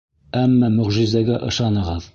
Әммә мөғжизәгә ышанығыҙ.